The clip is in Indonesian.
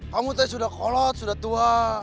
kamu tadi sudah tua